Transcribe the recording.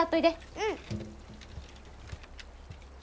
うん。